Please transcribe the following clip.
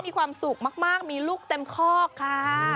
มีความสุขมากมีลูกเต็มคอกค่ะ